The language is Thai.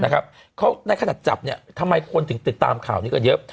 เขาในขนาดจับเนี่ยทำไมคนถึงติดตามข่าวนี้กันเยอะ